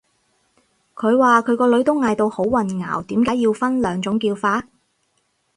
佢話佢個女都嗌到好混淆，點解要分兩種叫法